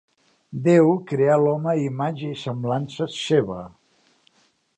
Déu creà l'home a imatge i semblança seva.